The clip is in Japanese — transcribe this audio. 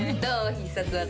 必殺技。